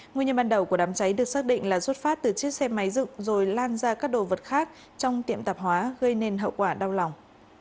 nguyên nhân ban đầu của đám cháy được xác định là xuất phát từ chiếc xe máy dựng rồi lan ra các đồ vật khác trong tiệm tạp hóa gây nên hậu quả đau lòng